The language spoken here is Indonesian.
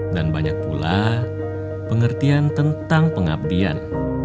dan banyak pula pengertian tentang pengabdian